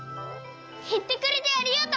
いってくれてありがとう！